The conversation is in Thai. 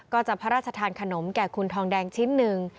ก็จะพระราชทานขนมแก่คุณทองแดงชิ้นหนึ่ง